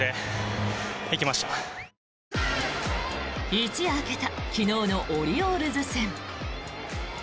一夜明けた昨日のオリオールズ戦。